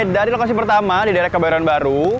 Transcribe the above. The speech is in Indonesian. dari lokasi pertama di daerah kebayoran baru